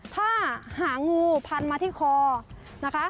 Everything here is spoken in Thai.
ถ้าหางูพันมาที่คอนะคะ